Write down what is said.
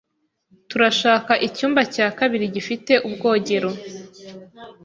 Turashaka icyumba cya kabiri gifite ubwogero.